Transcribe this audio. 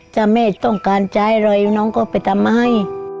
จะไม่ต้องการใช้อะไรน้องฟิร์มก็ไปทำมาให้